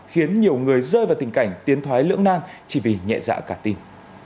khiến nhiều người rơi vào tình cảnh tiến thoái lưỡng nang chỉ vì nhẹ dạ cả tim